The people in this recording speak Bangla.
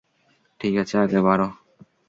ঠিক আছে, আগে বাড়ো।